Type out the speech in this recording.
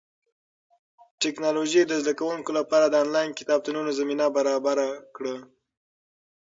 ټیکنالوژي د زده کوونکو لپاره د انلاین کتابتونونو زمینه برابره کړه.